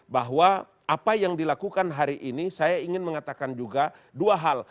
bahwa apa yang dilakukan hari ini saya ingin mengatakan juga dua hal